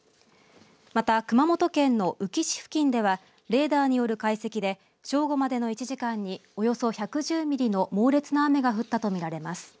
また熊本県の宇城市付近ではレーダーによる解析で正午までの１時間におよそ１１０ミリの猛烈な雨が降ったと見られます。